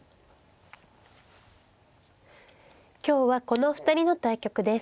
今日はこのお二人の対局です。